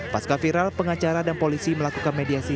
pasca viral pengacara dan polisi melakukan mediasi